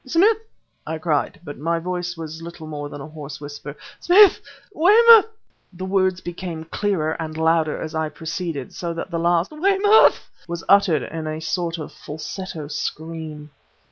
"Smith!" I cried, but my voice was little more than a hoarse whisper "Smith! Weymouth!" The words became clearer and louder as I proceeded, so that the last "Weymouth!" was uttered in a sort of falsetto scream.